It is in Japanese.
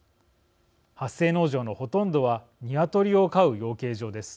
発生農場のほとんどは鶏を飼う養鶏場です。